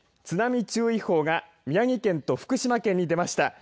津波注意報は宮城県と福島県に出ました。